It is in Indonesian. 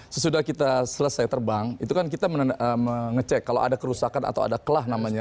sesudah kita selesai terbang itu kan kita mengecek kalau ada kerusakan atau ada kelah namanya